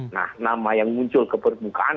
nah nama yang muncul ke permukaan